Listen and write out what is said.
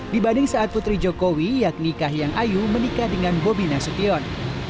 dibanding saat putri jokowi yang nikah yang ayu menikah dengan bobi nasution